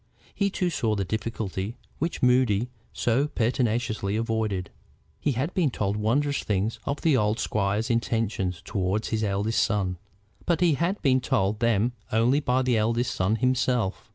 He too saw the difficulty which Moody so pertinaciously avoided. He had been told wondrous things of the old squire's intentions toward his eldest son, but he had been told them only by that eldest son himself.